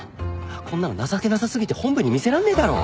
こんなの情けなさ過ぎて本部に見せらんねえだろ。